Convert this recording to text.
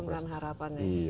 menggantungkan harapan ya